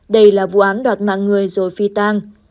đây là vụ án đoạt mạng người rồi phi tang